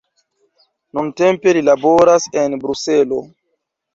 Nuntempe li laboras en Bruselo.